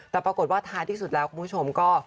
แต่ปรากฏว่าท้ายที่สุดแล้วคุณผู้ชมก็